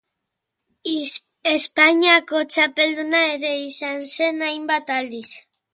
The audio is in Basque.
Espainiako txapelduna ere izan zen hainbat aldiz.